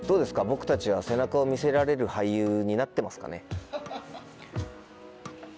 僕たちは背中を見せられる俳優になってますかね？